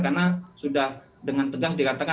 karena sudah dengan tegas dikatakan